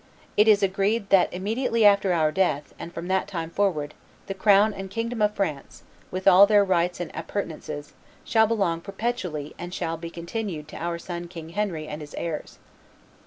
It is agreed that immediately after our death, and from that time forward, the crown and kingdom of France, with all their rights and appurtenances, shall belong perpetually and shall be continued to our son King Henry and his heirs.